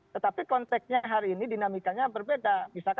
tetapi konteknya hari ini dinamikanya berbeda